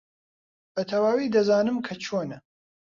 بەتەواوی دەزانم کە چۆنە.